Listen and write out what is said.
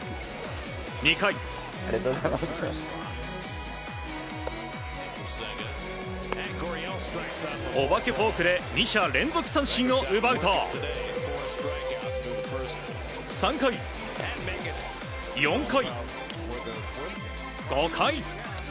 ２回、お化けフォークで２者連続三振を奪うと３回、４回、５回。